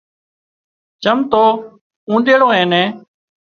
چم تو اوۮيڙو اين نين